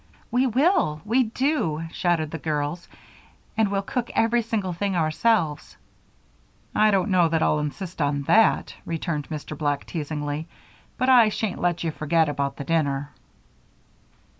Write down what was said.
"We will! We do!" shouted the girls. "And we'll cook every single thing ourselves." "I don't know that I'll insist on that," returned Mr. Black, teasingly, "but I shan't let you forget about the dinner."